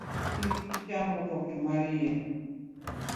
Kik icham oboke mar yien.